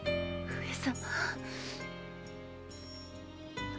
上様。